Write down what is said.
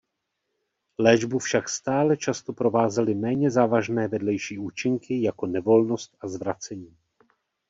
Léčbu však stále často provázely méně závažné vedlejší účinky jako nevolnost a zvracení.